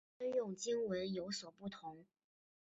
专用经文有所不同。